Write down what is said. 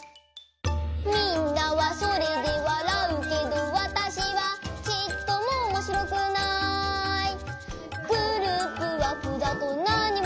「みんなはそれでわらうけどわたしはちっともおもしろくない」「グループワークだとなんにもはつげんしなかったり」